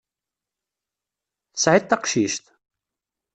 Tesεiḍ taqcict?